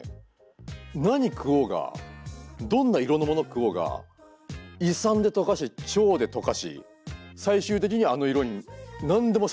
何食おうがどんな色のもの食おうが胃酸で溶かして腸で溶かし最終的にはあの色に何でもさせますと。